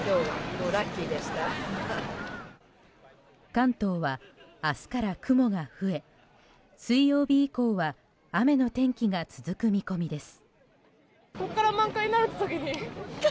関東は明日から雲が増え水曜日以降は雨の天気が続く見込みです。